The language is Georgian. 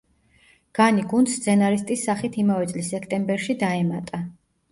განი გუნდს სცენარისტის სახით იმავე წლის სექტემბერში დაემატა.